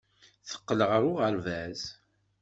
Teqqel ɣer uɣerbaz.